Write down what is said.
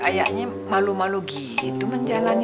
kayaknya malu malu gitu menjalannya